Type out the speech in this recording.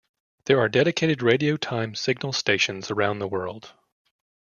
There are dedicated radio time signal stations around the world.